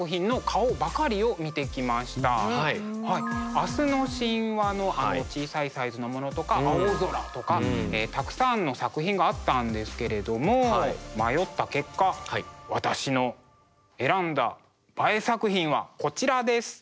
「明日の神話」の小さいサイズのものとか「青空」とかたくさんの作品があったんですけれども迷った結果私の選んだＢＡＥ作品はこちらです。